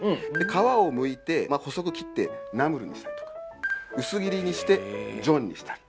皮をむいて細く切ってナムルにしたりとか薄切りにしてジョンにしたり。